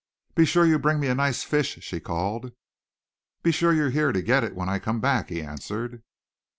"Be sure you bring me a nice fish," she called. "Be sure you're here to get it when I come back," he answered.